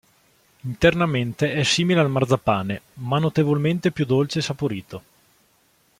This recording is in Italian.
Internamente è simile al marzapane ma notevolmente più dolce e saporito.